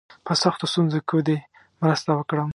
په سختو ستونزو کې دي مرسته وکړم.